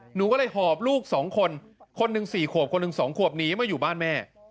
หนูก็เลยหอบลูก๒คนคนหนึ่ง๔ขวบคนหนึ่ง๒ขวบหนีมาอยู่บ้านแม่